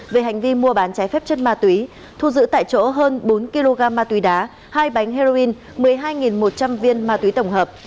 về hành vi mua bán trái phép chất ma túy thu giữ tại chỗ hơn bốn kg ma túy đá hai bánh heroin một mươi hai một trăm linh viên ma túy tổng hợp